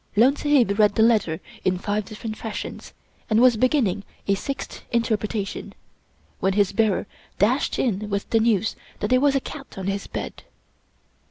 Lone Sahib read the letter in five different fashions, and was beginning a sixth interpretation, when his bearer dashed in with the news that there was a cat on the bed.